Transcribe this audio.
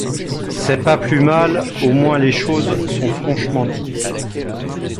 C’est pas plus mal : au moins les choses sont franchement dites.